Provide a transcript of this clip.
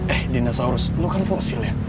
eh dinosaurus lo kan fosil ya